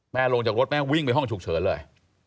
ลงจากรถแม่วิ่งไปห้องฉุกเฉินเลย